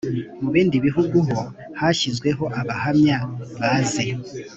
mu bindi bihugu ho hashyizweho abahamya bazi